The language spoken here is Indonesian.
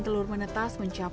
ada pun tingkat keberhasilan